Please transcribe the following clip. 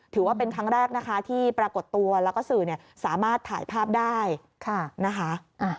ถือว่าเป็นครั้งแรกนะคะที่ปรากฏตัวแล้วก็สื่อสามารถถ่ายภาพได้นะคะ